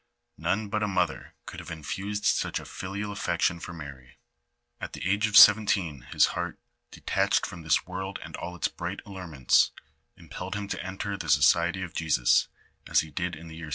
Kone but a mother could have infused such a filial affection for Mary. At the age of seventeen his heart, detached from this world and all its bright allurements, impelled him to enter the So ciety of Jesus, as he did in the year 1654.